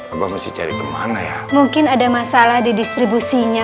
allah masih cari kemana ya mungkin ada masalah di distribusinya